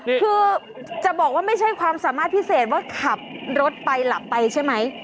คือจะบอกว่าไม่ใช่ความสามารถพิเศษว่าขับรถไปหลับไปใช่ไหม